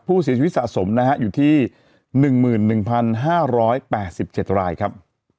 ผู้เสียชีวิตสะสมนะฮะอยู่ที่๑๑๕๘๗รายครับ